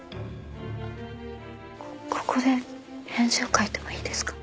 ここで返事を書いてもいいですか？